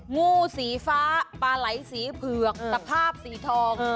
งูสีฟ้าปลาไหลสีเผือกตะภาพสีทอง